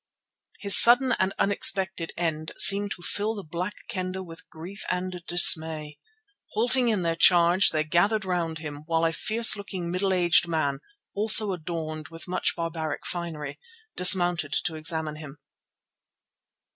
His sudden and unexpected end seemed to fill the Black Kendah with grief and dismay. Halting in their charge they gathered round him, while a fierce looking middle aged man, also adorned with much barbaric finery, dismounted to examine him.